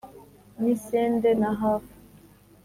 N'isende na hafu,